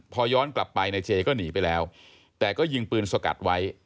พอย้อนกลับไปนายเจก็หนีไปแล้วแต่ก็ยิงปืนสกัดไว้